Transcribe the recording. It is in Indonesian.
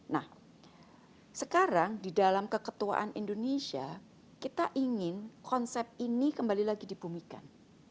nah sekarang di dalam keketuaan indonesia kita ingin konsep ini kembali lagi dibumikan